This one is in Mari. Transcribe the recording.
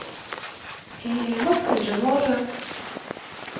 — Э-э, мыскыньже-можо...